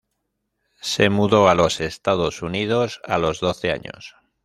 Se mudó a los Estados Unidos a los doce años.